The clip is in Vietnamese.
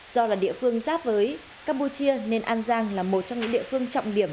do là địa phương giáp với campuchia nên an giang là một trong những địa phương trọng điểm